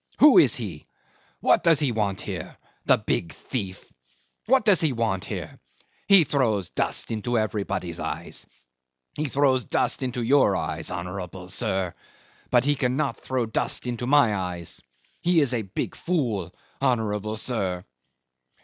Who is he? What does he want here the big thief? What does he want here? He throws dust into everybody's eyes; he throws dust into your eyes, honourable sir; but he can't throw dust into my eyes. He is a big fool, honourable sir."